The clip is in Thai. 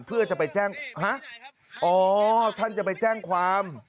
เพื่อจะไปแจ้งฮะอ๋อท่านจะไปแจ้งความ